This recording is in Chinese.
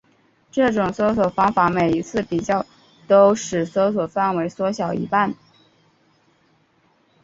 这种搜索算法每一次比较都使搜索范围缩小一半。